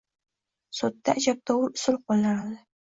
Sudda ajabtovur usul qo‘llanadi